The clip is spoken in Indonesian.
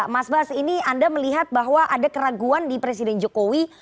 mas bas ini anda melihat bahwa ada keraguan di presiden jokowi